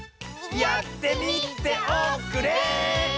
やってみておくれ！